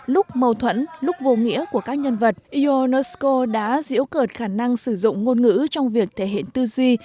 lúc mâu thuẫn lúc vô nghĩa của các nhân vật ionesco đã diễu cợt khả năng sử dụng ngôn ngữ trong việc thể hiện tư duy